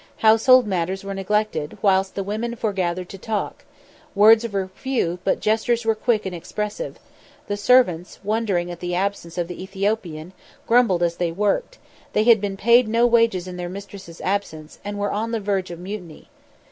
Household matters were neglected, whilst the women foregathered to talk; words were few, but gestures were quick and expressive; the servants, wondering at the absence of the Ethiopian, grumbled as they worked; they had been paid no wages in their mistress's absence, and were on the verge of mutiny.